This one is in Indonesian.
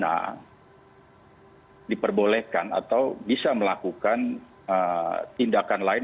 bidang pidana diperbolehkan atau bisa melakukan tindakan lain